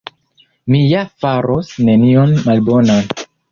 Mi ja faros nenion malbonan.